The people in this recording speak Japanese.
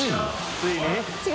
ついに？